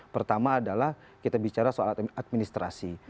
pertama adalah kita bicara soal administrasi